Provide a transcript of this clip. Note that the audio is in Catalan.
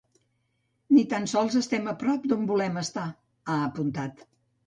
“Ni tan sols estem a prop d’on volem estar”, ha apuntat.